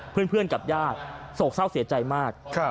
เพื่อนกับญาติโศกเศร้าเสียใจมาก